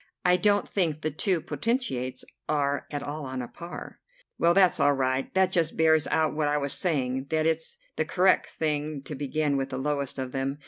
I don't think the two potentates are at all on a par." "Well, that's all right. That just bears out what I was saying, that it's the correct thing to begin with the lowest of them.